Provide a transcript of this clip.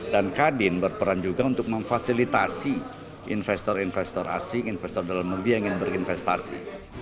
dan kadin berperan juga untuk memfasilitasi investor investor asing investor dalam nubi yang ingin berinvestasi